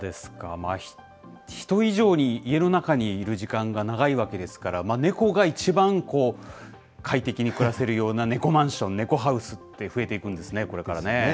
まあ、人以上に家の中にいる時間が長いわけですから、猫が一番こう、快適に暮らせるような猫マンション、猫ハウスって増えていくんですね、これからね。